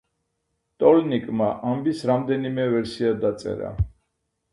ტოლკინმა ამბის რამდენიმე ვერსია დაწერა.